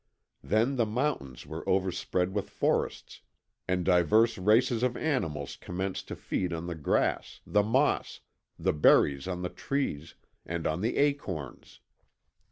Then the mountains were overspread with forests, and divers races of animals commenced to feed on the grass, the moss, the berries on the trees, and on the acorns.